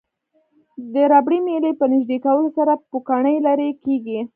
د ربړي میلې په نژدې کولو سره پوکڼۍ لرې کیږي.